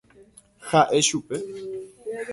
Ha'e chupe.